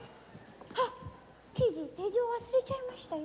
あっ刑事手錠を忘れちゃいましたよ。